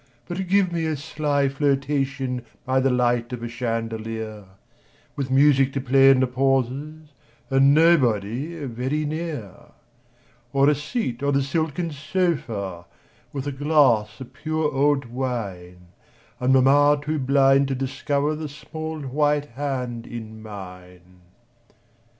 But give me a sly flirtation By the light of a chandelier With music to play in the pauses, And nobody very near; Or a seat on a silken sofa, With a glass of pure old wine, And mamma too blind to discover The small white hand in mine.